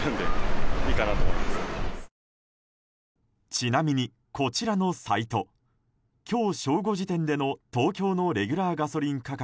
ちなみにこちらのサイト今日正午時点での東京のレギュラーガソリン価格